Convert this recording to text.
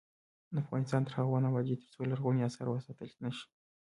افغانستان تر هغو نه ابادیږي، ترڅو لرغوني اثار وساتل نشي.